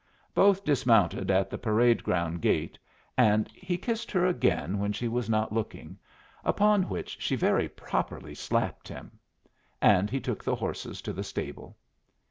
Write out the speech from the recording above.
Both dismounted at the parade ground gate, and he kissed her again when she was not looking, upon which she very properly slapped him; and he took the horses to the stable.